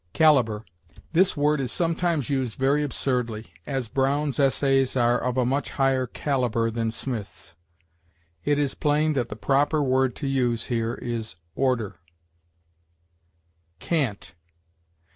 CALIBER. This word is sometimes used very absurdly; as, "Brown's Essays are of a much higher caliber than Smith's." It is plain that the proper word to use here is order. CANT.